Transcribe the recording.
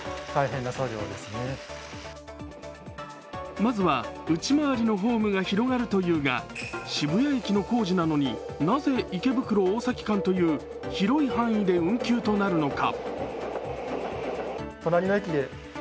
まずは内回りのホームが広がるというが、渋谷駅の工事なのに、なぜ池袋−大崎間という広い範囲で運休となるのか？